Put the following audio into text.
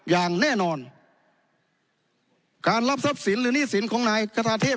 อย่างแน่นอนการรับทรัพย์สินหรือหนี้สินของนายคาทาเทพ